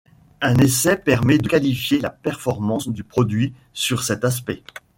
Un essai permet de qualifier la performance du produit sur cet aspect.